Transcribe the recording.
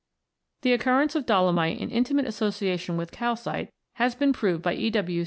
The occurrence of dolomite in intimate association with calcite has been proved by E. W.